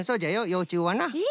ようちゅうはな。え。